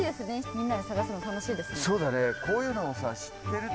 みんなで探すの楽しいですね。